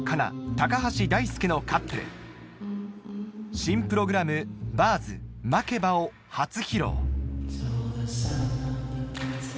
高橋大輔のカップル新プログラム『Ｂｉｒｄｓ，Ｍａｋｅｂａ』を初披露